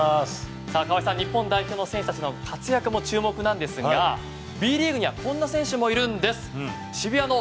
川合さん、日本代表の選手たちの活躍も注目なんですがＢリーグにはこんな選手もいるんです。